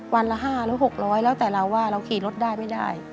วันละ๕หรือ๖๐๐แล้วแต่เราว่าเราขี่รถได้ไม่ได้